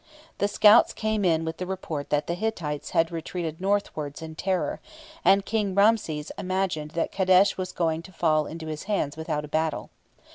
The scouts came in with the report that the Hittites had retreated northwards in terror, and King Ramses imagined that Kadesh was going to fall into his hands without a battle.